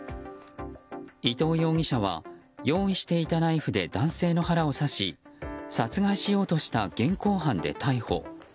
伊藤容疑者は用意していたナイフで男性の腹を刺し殺害しようとした現行犯で逮捕。